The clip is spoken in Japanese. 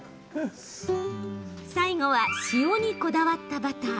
最後は、塩にこだわったバター。